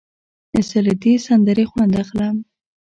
زه له دې سندرې خوند اخلم.